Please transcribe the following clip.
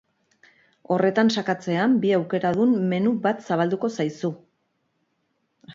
Horretan sakatzean, bi aukeradun menu bat zabalduko zaizu.